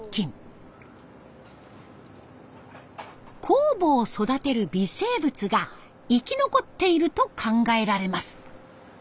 酵母を育てる微生物が生き残っていると考えられます。